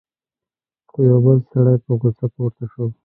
خو یو بل سړی په غصه پورته شو: